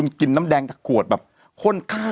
มีสารตั้งต้นเนี่ยคือยาเคเนี่ยใช่ไหมคะ